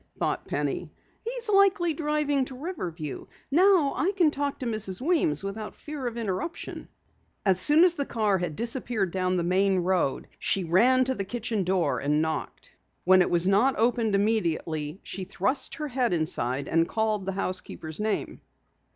thought Penny. "He's likely driving to Riverview. Now I can talk to Mrs. Weems without fear of interruption." As soon as the car had disappeared down the main road, she ran to the kitchen door and knocked. When it was not opened immediately, she thrust her head inside and called the housekeeper's name.